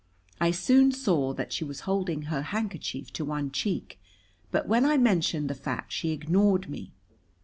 I soon saw that she was holding her handkerchief to one cheek, but when I mentioned the fact she ignored me.